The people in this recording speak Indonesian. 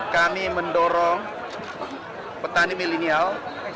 kami mendorong petani milenial